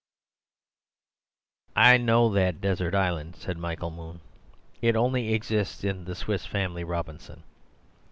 "I know that desert island," said Michael Moon; "it only exists in the 'Swiss Family Robinson.